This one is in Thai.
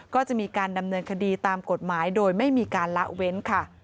ก็จะมีการดำเนินคดีตามกฎหมายโดยไม่มีการละเว้นค่ะ